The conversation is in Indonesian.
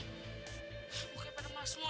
bukannya pada mahasiswa